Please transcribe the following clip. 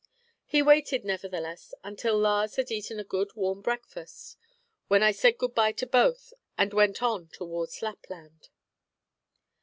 He waited, nevertheless, until Lars had eaten a good warm breakfast, when I said good bye to both, and went on towards Lapland.